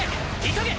急げ！